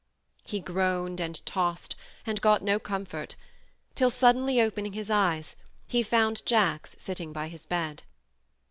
He groaned and tossed and got no comfort, till, suddenly opening his eyes, he found Jacks sitting by his bed.